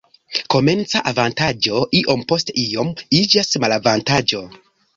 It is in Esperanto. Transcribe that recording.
Komenca avantaĝo iom post iom iĝas malavantaĝo.